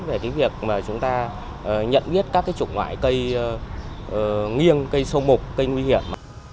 về cái việc mà chúng ta nhận biết các cái chủng loại cây nghiêng cây sâu mục cây nguy hiểm